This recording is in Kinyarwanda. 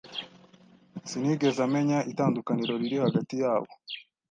Sinigeze menya itandukaniro riri hagati yabo.